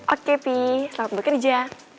oke pi selamat bekerja